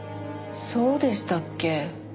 そうでしたっけ？